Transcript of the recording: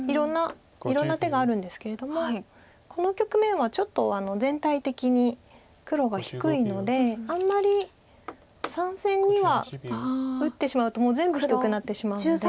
いろんな手があるんですけれどもこの局面はちょっと全体的に黒が低いのであんまり３線には打ってしまうともう全部低くなってしまうので。